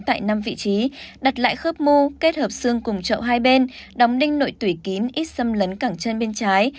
tại năm vị trí đặt lại khớp mu kết hợp xương cùng trậu hai bên đóng đinh nội tủy kín ít xâm lấn cẳng chân bên trái